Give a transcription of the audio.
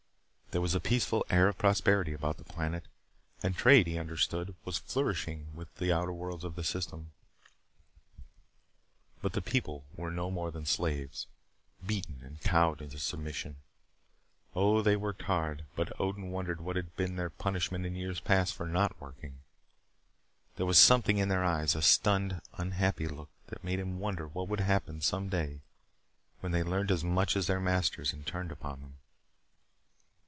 There was a peaceful air of prosperity about the planet; and trade, he understood, was flourishing with the other worlds of the system. But the people were no more than slaves beaten and cowed into submission. Oh, they worked hard. But Odin wondered what had been their punishment in years past for not working. There was something in their eyes a stunned, unhappy look that made him wonder what would happen some day when they learned as much as their masters and turned upon them.